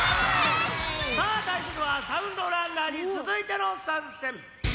さあたいするは「サウンドランナー」につづいてのさんせん。